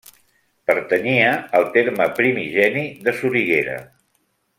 Pertanyia al terme primigeni de Soriguera.